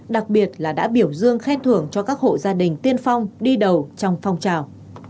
đặc biệt là đã biểu dương khen thưởng cho các hộ gia đình tiên phong đi đầu trong phong trào